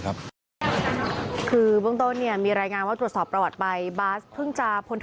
แต่ยาซิสสินนะฉันจะไปนั่วไว้